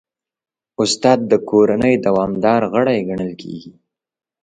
استاد د کورنۍ دوامدار غړی ګڼل کېږي.